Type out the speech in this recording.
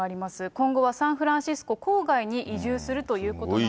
今後はサンフランシスコ郊外に移住するということなんです。